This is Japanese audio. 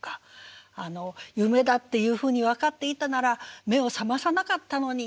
夢だっていうふうに分かっていたなら目を覚まさなかったのに。